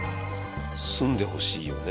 住んでほしいよね